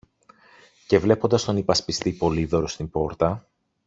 Και βλέποντας τον υπασπιστή Πολύδωρο στην πόρτα